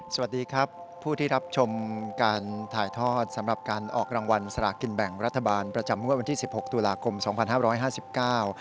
สวัสดีครับผู้ที่รับชมการถ่ายทอดสำหรับการออกรางวัลสลากินแบ่งรัฐบาลประจำงวดวันที่สิบหกตุลาคมสองพันห้าร้อยห้าสิบเก้า